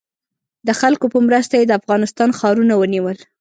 د خلکو په مرسته یې د افغانستان ښارونه ونیول.